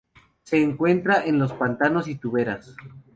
Se encuentra en los pantanos y turberas.